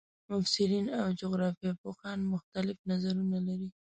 مفسرین او جغرافیه پوهان مختلف نظرونه لري.